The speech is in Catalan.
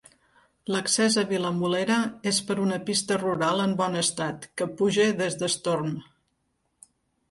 L'accés a Vilamolera és per una pista rural en bon estat que puja des d'Estorm.